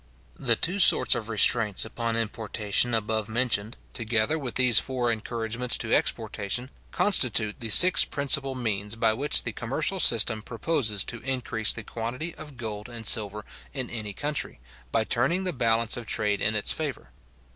The two sorts of restraints upon importation above mentioned, together with these four encouragements to exportation, constitute the six principal means by which the commercial system proposes to increase the quantity of gold and silver in any country, by turning the balance of trade in its favour.